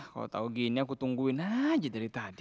kalau tahu gini aku tungguin aja dari tadi